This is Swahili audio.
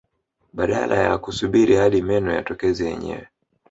Badala ya kusubiri hadi meno yatokeze yenyewe